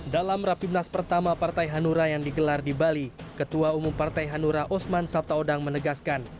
dalam rapimnas pertama partai hanura yang digelar di bali ketua umum partai hanura osman sabtaodang menegaskan